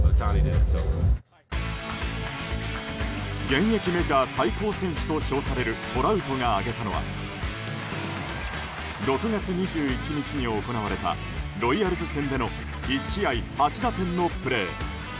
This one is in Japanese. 現役メジャー最高選手と称されるトラウトが挙げたのは６月２１日に行われたロイヤルズ戦での１試合８打点のプレー。